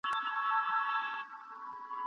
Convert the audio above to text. ښه ذهنیت اندیښنه نه جوړوي.